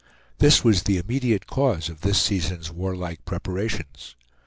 This was the immediate cause of this season's warlike preparations.